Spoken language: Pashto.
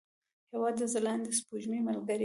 هېواد د ځلانده سپوږمۍ ملګری دی.